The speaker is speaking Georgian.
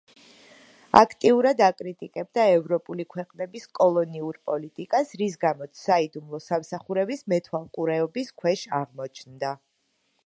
აქტიურად აკრიტიკებდა ევროპული ქვეყნების კოლონიურ პოლიტიკას, რის გამოც საიდუმლო სამსახურების მეთვალყურეობის ქვეშ აღმოჩნდა.